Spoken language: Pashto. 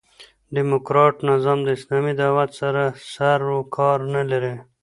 ډيموکراټ نظام د اسلامي دعوت سره سر و کار نه لري.